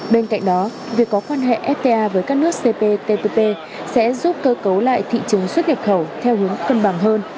bên cạnh đó việc có quan hệ fta với các nước cptpp sẽ giúp cơ cấu lại thị trường xuất nhập khẩu theo hướng cân bằng hơn